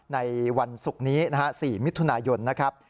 ในวันศุกร์นี้นะฮะ๔มิถุนายนนะครับ